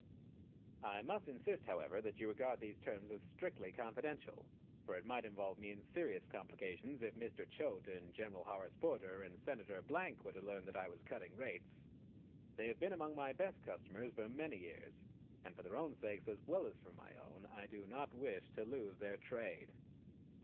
I must insist, however, that you regard these terms as strictly confidential; for it might involve me in serious complications if Mr. Choate, and Gen. Horace Porter, and Senator Blank were to learn that I was cutting rates. They have been among my best customers for many years, and for their own sakes, as well as for my own, I do not wish to lose their trade.